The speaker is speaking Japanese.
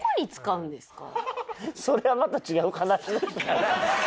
それはまた違う話でしょ？